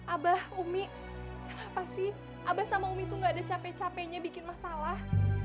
abah umi kenapa sih abah sama umi itu gak ada capek capeknya bikin masalah